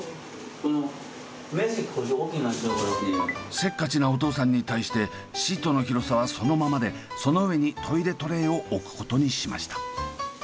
せっかちなお父さんに対してシートの広さはそのままでその上にトイレトレーを置くことにしました。